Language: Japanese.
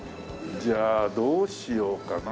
じゃあどうしようかな。